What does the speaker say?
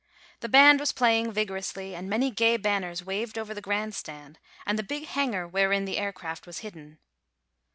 The band was playing vigorously and many gay banners waved over the grand stand and the big hangar wherein the aircraft was hidden.